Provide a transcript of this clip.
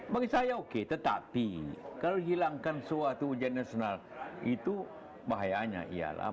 bagi saya oke tetapi kalau hilangkan suatu ujian nasional itu bahayanya iyalah